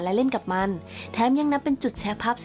และเล่นกับมันแถมยังนับเป็นจุดแชร์ภาพ